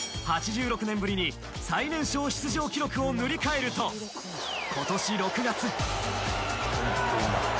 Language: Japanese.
８６年ぶりに最年少出場記録を塗り替えると今年６月。